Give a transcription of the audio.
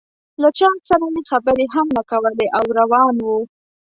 له چا سره یې خبرې هم نه کولې او روان و.